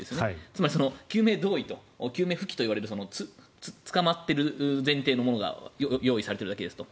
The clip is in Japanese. つまり救命胴衣救命浮器といわれるつかまっている前提のものが用意されているだけですと。